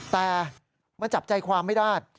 แต่มันจับใจความไม่ได้